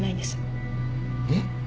えっ？